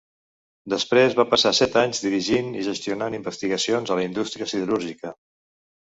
Després va passar set anys dirigint i gestionant investigacions a la indústria siderúrgica.